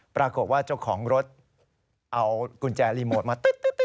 ปรากฏว่าเจ้าของรถเอากุญแจรีโมทมา